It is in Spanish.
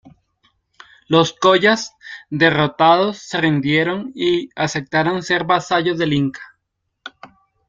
Los collas, derrotados se rindieron y aceptaron ser vasallos del Inca.